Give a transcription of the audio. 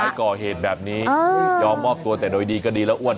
ให้ก่อเหตุแบบนี้ยอมมอบตัวแต่โดยดีก็ดีแล้วอ้วน